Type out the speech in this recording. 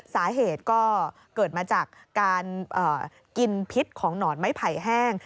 สาเหตุก็เกิดมาจากการกินพิษของหนอนไม้ไผ่แห้ง